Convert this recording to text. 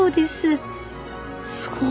すごい。